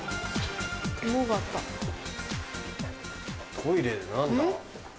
トイレで何だ？え？